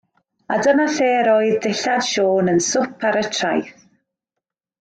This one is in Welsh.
A dyna lle yr oedd dillad Siôn yn swp ar y traeth.